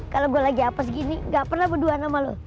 kalau gue lagi hapes gini gak pernah berdua nama lo